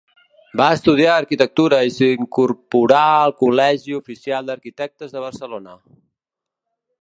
Va estudiar arquitectura i s'incorporà al Col·legi Oficial d'Arquitectes de Barcelona.